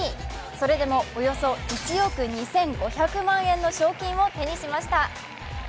それでもおよそ１億２５００万円の賞金を手にしました。